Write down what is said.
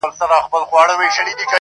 هغې بېگاه زما د غزل کتاب ته اور واچوه.